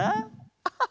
アハハ！